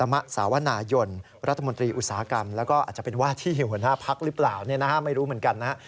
หัวหน้าภักร์หรือเปล่าเนี่ยนะฮะไม่รู้เหมือนกันนะฮะ